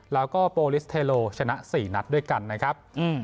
แล้วก็โปรลิสเทโลชนะ๔นัดด้วยกันนะครับ